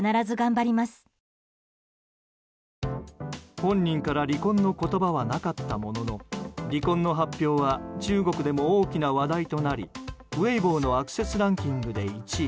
本人から離婚の言葉はなかったものの離婚の発表は中国でも大きな話題となりウェイボーのアクセスランキングで１位。